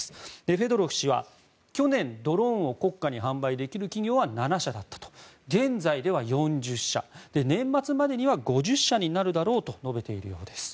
フェドロフ氏は去年、ドローンを国家に販売できる企業は７社だった現在では４０社年末までには５０社になるだろうと述べているようです。